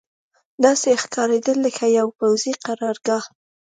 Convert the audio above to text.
داسې ښکارېدل لکه یوه پوځي قرارګاه.